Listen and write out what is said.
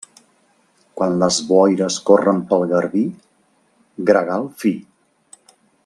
Quan les boires corren pel Garbí, gregal fi.